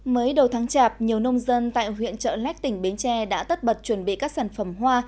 mới đầu tháng chạp nhiều nông dân tại huyện chợ lách tỉnh bến tre đã tất bật chuẩn bị các sản phẩm hoa